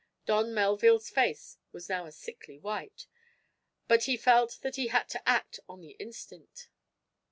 Don Melville's face was now a sickly white, but he felt that he had to act on the instant.